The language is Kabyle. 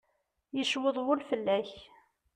Yecweḍ wul fell-ak.